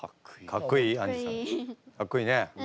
かっこいいね。